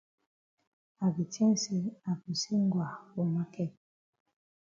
I be tink say I go see Ngwa for maket.